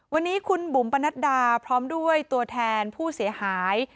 วันนี้คุณบุ๋มปนัดดาพร้อมด้วยตัวแทนผู้เสียหาย